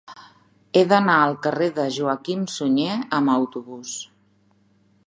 He d'anar al carrer de Joaquim Sunyer amb autobús.